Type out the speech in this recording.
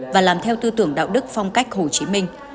và làm theo tư tưởng đạo đức phong cách hồ chí minh